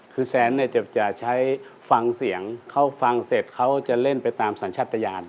คือแซนเนี่ยจะใช้ฟังเสียงเขาฟังเสร็จเขาจะเล่นไปตามสัญชาติยาน